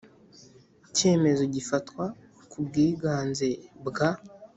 cyemezo gifatwa ku bwiganze bwa